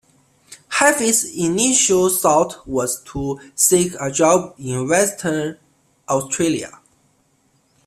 Hafey's initial thought was to seek a job in Western Australia.